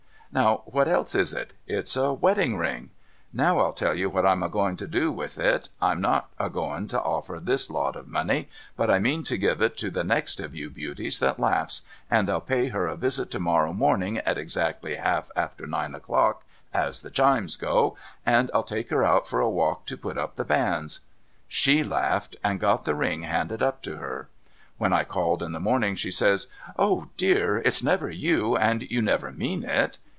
Now what else is it ? It's a wedding ring. Now I'll tell you what I'm a going to do with it. I'm not a going to offer this lot for money ; but I mean to give it to the next of you beauties that laughs, and I'll pay her a visit to morrow morning at exactly half after nine o'clock as the chimes go, and I'll take her out for a walk to put up the banns.' S/;c laughed, and got the ring handed up to her. AVhen I called in the morning, she says, ' O dear ! It's never you, and you never mean it